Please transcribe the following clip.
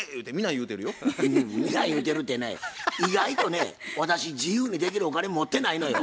皆言うてるてね意外とね私自由にできるお金持ってないのよ。